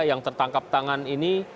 yang tertangkap tangan ini